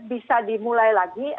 bisa dimulai lagi